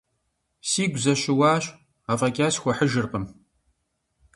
Сигу зэщыуащ, афӀэкӀа схуэхьыжыркъым.